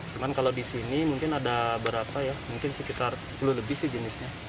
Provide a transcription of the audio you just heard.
cuma kalau disini mungkin ada berapa ya mungkin sekitar sepuluh lebih sih jenisnya